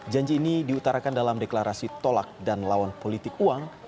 janji ini diutarakan dalam deklarasi tolak dan lawan politik uang